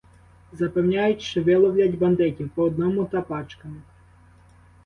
Запевняють, що виловлять "бандитів" по одному та "пачками".